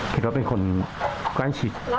คิดว่าเป็นคนใกล้ชิด